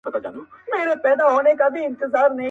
اميد کمزوری پاتې کيږي دلته تل-